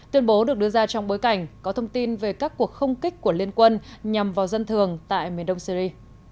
tuyên bố được đưa ra trong bối cảnh có thông tin về các cuộc không kích của liên quân nhằm vào dân thường tại miền đông syri